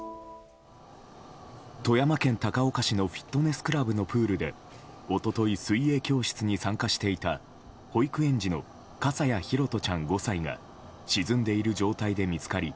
富山県高岡市のフィットネスクラブのプールで一昨日、水泳教室に参加していた保育園児の笠谷拓杜ちゃん、５歳が沈んでいる状態で見つかり